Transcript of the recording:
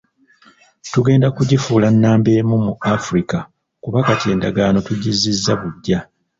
Tugenda kugifuula nnamba emu mu Africa kuba kati endagaano tugizzizza buggya.